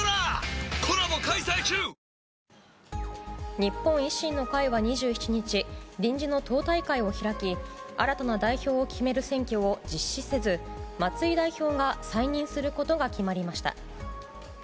日本維新の会は２７日臨時の党大会を開き新たな代表を決める選挙を実施せず松井代表が再任することが決まりました。